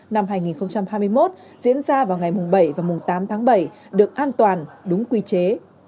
năm hai nghìn hai mươi một diễn ra vào ngày bảy và mùng tám tháng bảy được an toàn đúng quy chế